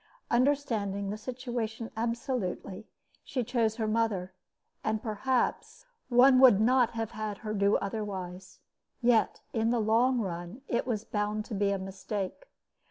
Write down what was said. Understanding the situation absolutely, she chose her mother; and perhaps one would not have had her do otherwise. Yet in the long run it was bound to be a mistake.